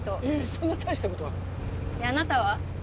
そんな大したことはであなたは？